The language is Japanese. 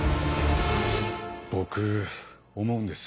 僕思うんです。